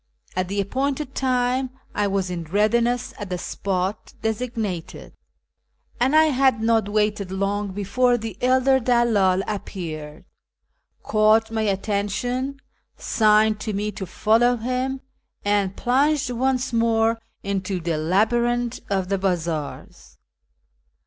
At the appointed time I was in readiness at the spot designated, and I had not M^aited long before the elder dcdldl appeared, caught my attention, signed to me to follow him, and plunged once more into the labyrinth of the bazaars.